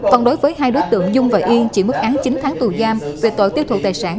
còn đối với hai đối tượng dung và yên chỉ mức án chín tháng tù giam về tội tiêu thụ tài sản